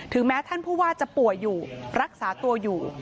แม้ท่านผู้ว่าจะป่วยอยู่รักษาตัวอยู่